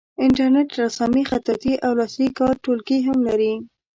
انټرنیټ رسامي خطاطي او لاسي کار ټولګي هم لري.